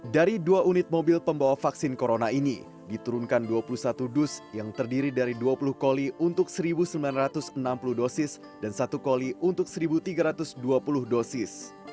dari dua unit mobil pembawa vaksin corona ini diturunkan dua puluh satu dus yang terdiri dari dua puluh koli untuk satu sembilan ratus enam puluh dosis dan satu koli untuk satu tiga ratus dua puluh dosis